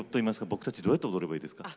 僕たち、どうやって踊ればいいですか？